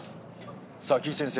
さあ岸先生